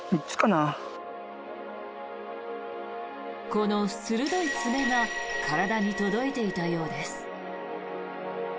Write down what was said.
この鋭い爪が体に届いていたようです。